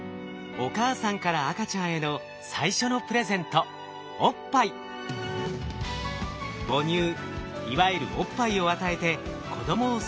お母さんから赤ちゃんへの最初のプレゼント母乳いわゆるおっぱいを与えて子供を育てる。